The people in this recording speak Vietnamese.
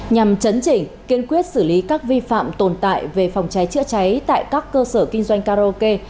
nhằm chấn chỉnh kiên quyết xử lý các vi phạm tồn tại về phòng cháy chữa cháy tại các cơ sở kinh doanh karaoke